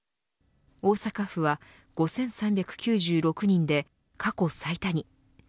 大阪府は５３９６人で過去最多に。